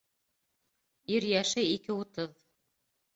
Ир йәше ике утыҙ